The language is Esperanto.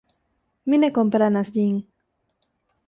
Mi ne komprenas ĝin.